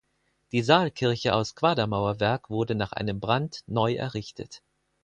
Die Saalkirche aus Quadermauerwerk wurde nach einem Brand neu errichtet.